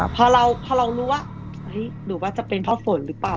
พอเรารู้ว่าหรือว่าจะเป็นเพราะฝนหรือเปล่า